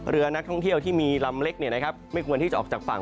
เรือนักท่องเที่ยวที่มีลำเล็กไม่ควรที่จะออกจากฝั่ง